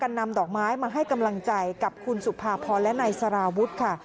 นำดอกไม้มาให้กำลังใจกับคุณสุภาพรและนายสารวุฒิค่ะ